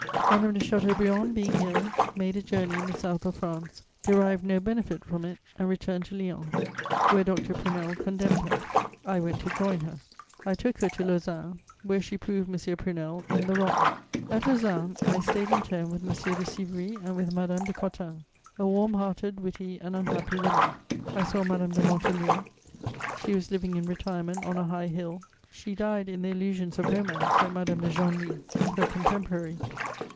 Madame de Chateaubriand, being ill, made a journey in the South of France, derived no benefit from it, and returned to Lyons, where Dr. Prunelle condemned her. I went to join her; I took her to Lausanne, where she proved M. Prunelle in the wrong. At Lausanne I stayed in turn with M. de Sivry and with Madame de Cottens, a warm hearted, witty and unhappy woman. I saw Madame de Montolieu: she was living in retirement on a high hill; she died in the illusions of romance, like Madame de Genlis, her contemporary.